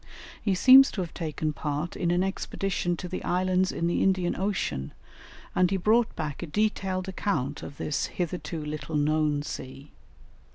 He seems to have taken part in an expedition to the islands in the Indian Ocean, and he brought back a detailed account of this hitherto little known sea.